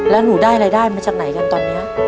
แล้วหนูได้รายได้มาจากไหนกันตอนนี้